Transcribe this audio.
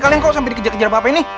kalian kok sampai dikejar kejar bapak ini